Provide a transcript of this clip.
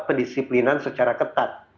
pendisiplinan secara ketat